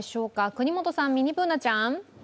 國本さん、ミニＢｏｏｎａちゃん。